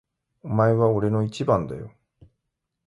お前は俺の一番だよ。